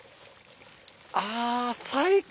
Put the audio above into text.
あ最高！